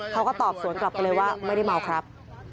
เขาก็ตอบสวนกลับไปเลยว่าไม่ได้เมาครับ